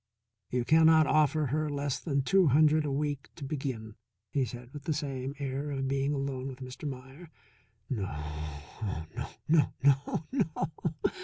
"You cannot offer her less than two hundred a week to begin," he said with the same air of being alone with Mr. Meier. "No, oh, no, no, no, no!"